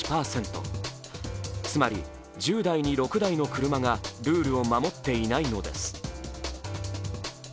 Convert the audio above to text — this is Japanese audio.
つまり１０台に６台の車がルールを守っていないのです。